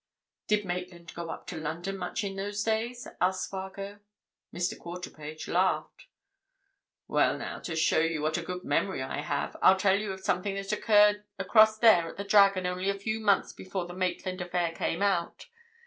"Did Maitland go up to London much in those days?" asked Spargo. Mr. Quarterpage laughed. "Well, now, to show you what a good memory I have," he said, "I'll tell you of something that occurred across there at the 'Dragon' only a few months before the Maitland affair came out.